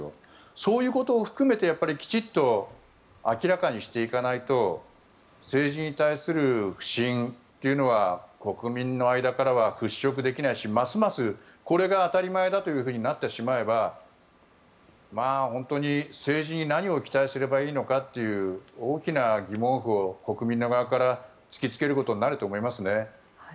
そういうことを含めてきちんと明らかにしていかないと政治に対する不信というのは国民の間からは払しょくできないしますます、これが当たり前だとなってしまえば本当に政治に何を期待すればいいのかという大きな疑問符を国民の側から突きつけることになると思いますね。